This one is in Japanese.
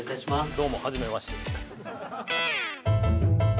どうもはじめまして。